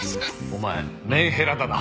お前メンヘラだな。